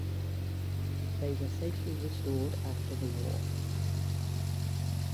They were safely restored after the war.